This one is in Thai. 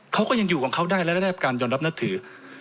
เขาก็ยังอยู่ของเขาได้และได้รับการยอมรับนับถือ